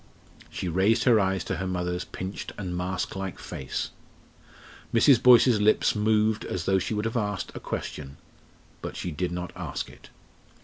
She raised her eyes to her mother's pinched and mask like face. Mrs. Boyce's lips moved as though she would have asked a question. But she did not ask it.